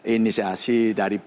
inisiasi dari pak